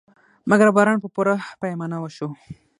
مګر باران په پوره پیمانه وشو.